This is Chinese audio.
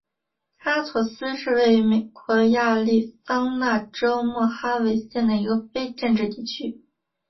阿陀斯是位于美国亚利桑那州莫哈维县的一个非建制地区。